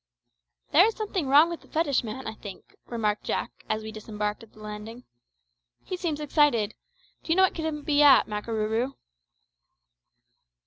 "There is something wrong with the fetishman, I think," remarked Jack, as we disembarked at the landing. "He seems excited. Do you know what it can be at, Makarooroo?"